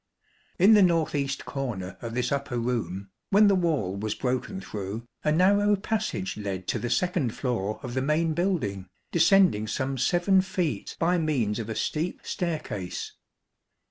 In the north east corner of this upper room, when the wall was broken through, a narrow passage led to the second floor of the main building, descending some 7 feet by means of a steep staircase.